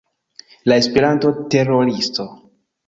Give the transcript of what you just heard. La Esperanto-teroristo